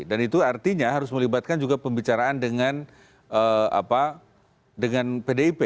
itu artinya harus melibatkan juga pembicaraan dengan pdip